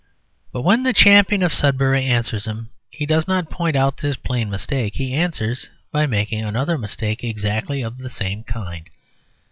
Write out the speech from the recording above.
But when the champion of Sudbury answers him, he does not point out this plain mistake. He answers by making another mistake exactly of the same kind.